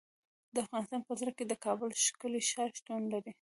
د افغانستان په زړه کې د کابل ښکلی ښار شتون لري.